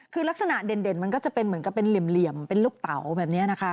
คือลักษณะเด่นมันก็จะเป็นเหมือนกับเป็นเหลี่ยมเป็นลูกเต๋าแบบนี้นะคะ